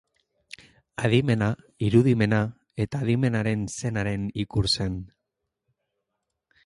Adimena, irudimena eta adimenaren senaren ikur zen.